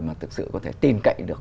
mà thực sự có thể tin cậy được